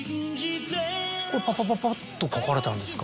これパパパパっと描かれたんですか？